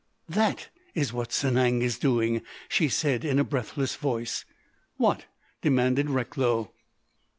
"That is what Sanang is doing!" she said in a breathless voice. "What?" demanded Recklow.